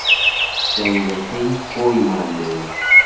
دەنگەکەی خۆیمان دەوێ